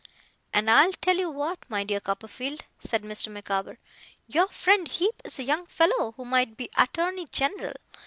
'And I'll tell you what, my dear Copperfield,' said Mr. Micawber, 'your friend Heep is a young fellow who might be attorney general.